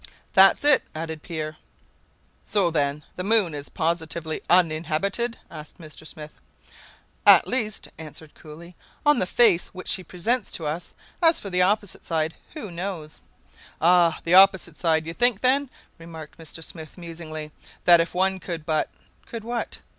"That's it," added Peer. "So, then, the moon is positively uninhabited?" asked Mr. Smith. "At least," answered Cooley, "on the face which she presents to us. As for the opposite side, who knows?" "Ah, the opposite side! You think, then," remarked Mr. Smith, musingly, "that if one could but " "Could what?"